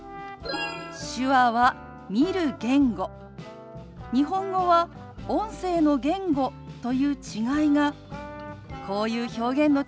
手話は見る言語日本語は音声の言語という違いがこういう表現の違いになることがあるんですよ。